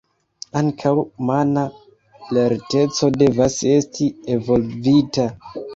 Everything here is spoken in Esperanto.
Ankaŭ mana lerteco devas esti evolvita.